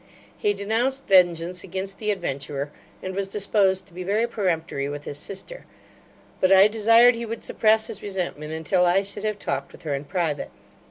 He denounced vengeance against the adventurer, and was disposed to be very peremptory with his sister; but I desired he would suppress his resentment, until I should have talked with her in private.